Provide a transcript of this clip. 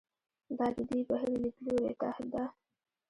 دا د دې بهیر لیدلوري ته ده.